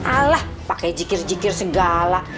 alah pakai zikir zikir segala